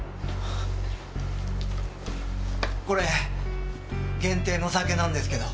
これ限定の酒なんですけど。